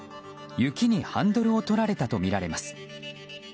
雪にハンドルを取られたとみられます。